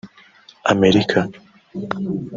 Amerika